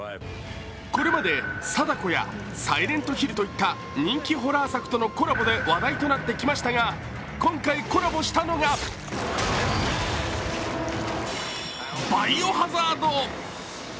これまで「貞子」や「サイレントヒル」といった人気ホラー作とのコラボで話題になってきましたが、今回コラボしたのが「バイオハザード」。